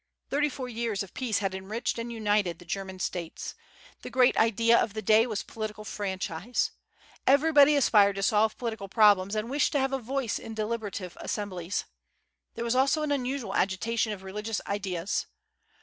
Thirty four years of peace had enriched and united the German States. The great idea of the day was political franchise. Everybody aspired to solve political problems, and wished to have a voice in deliberative assemblies. There was also an unusual agitation of religious ideas.